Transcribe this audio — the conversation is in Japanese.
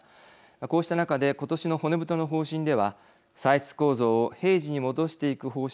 こうした中で今年の骨太の方針では歳出構造を平時に戻していく方針が打ち出されています。